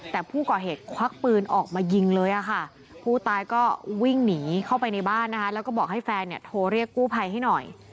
แต่ผู้ก่อเหตุควักปืนออกมายิงเลยค่ะผู้ตายก็วิ่งหนีเข้าไปในบ้านนะคะแล้วก็บอกให้แฟนเนี่ยโทรเรียกกู้ภัยให้หน่อย